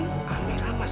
bisa menangkan mereka